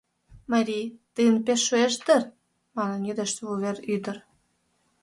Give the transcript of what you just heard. Мари, тыйын пеш шуэш дыр?» Манын йодеш вувер ӱдыр.